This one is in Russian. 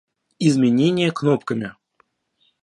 Изменение кнопками